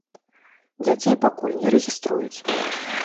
Дзяцей пакуль не рэгіструюць.